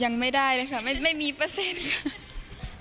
ยังไม่ได้เลยค่ะไม่มีเปอร์เซ็นต์ค่ะ